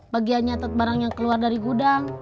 bagiannya barang yang keluar dari gudang